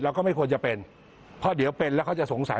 ก็ไม่ควรจะเป็นเพราะเดี๋ยวเป็นแล้วเขาจะสงสัย